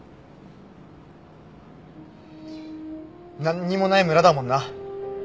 なんにもない村だもんな。